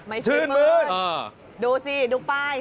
ไม่ชื่นมื้นดูสิดูป้าย